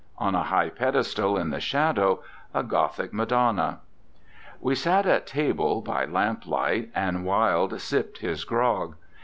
On a high pedestal, in the shadow, a Gothic Madonna. We sat at table by lamplight, and Wilde sipped his grog.